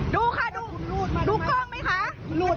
ดูค่ะดูดูโกรธมั้ยคะ